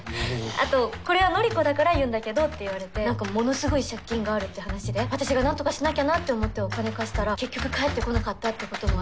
あと「これは典子だから言うんだけど」って言われてなんかものすごい借金があるって話で私がなんとかしなきゃなって思ってお金貸したら結局返ってこなかったってこともあります。